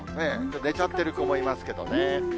寝ちゃってる子もいますけどね。